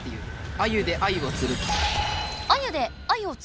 「アユでアユをつる」。